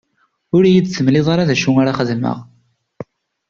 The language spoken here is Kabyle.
Ur iyi-d-temliḍ ara d acu ara xedmeɣ.